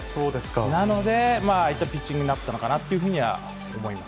なので、ああいったピッチングになったのかなとは思います。